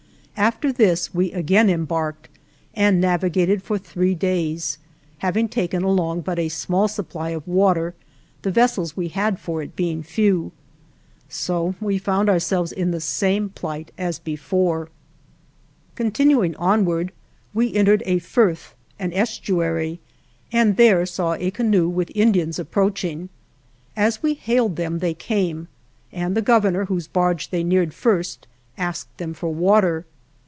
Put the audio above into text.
After this we again embarked and navigated for three days, having taken along but a small supply of water, the vessels we had for it being few. So we found ourselves in the same plight as before. Continuing onward, we entered a firth and there saw a canoe with Indians ap proaching. As we hailed them they came, and the Governor, whose barge they neared first, asked them for water.